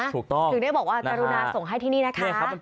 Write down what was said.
ถึงได้บอกว่ากรุณาส่งให้ที่นี่นะคะ